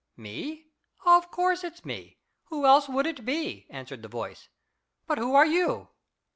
"Me? Of course it's me! Who else would it be?" answered the voice. "But who are you.